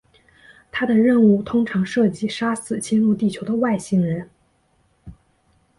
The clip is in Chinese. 他的任务通常涉及杀死侵入地球的外星人。